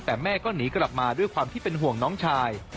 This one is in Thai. แต่แม่ก็หนีกลับมาด้วยความที่เป็นห่วงน้องชาย